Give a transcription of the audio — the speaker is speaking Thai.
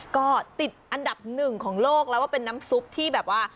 ก็ติดอันดับหนึ่งของโลกแล้วก็เป็นน้ำซุปที่แบบว่า